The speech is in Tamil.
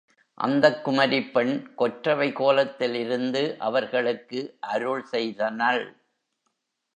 அந்தக் குமரிப்பெண் கொற்றவை கோலத்தில் இருந்து அவர்களுக்கு அருள் செய்தனள்.